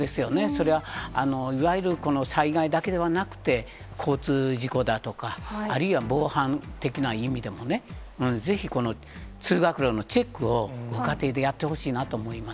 それは、いわゆる災害だけではなくて、交通事故だとか、あるいは防犯的な意味でもね、ぜひ、通学路のチェックをご家庭でやってほしいなと思います。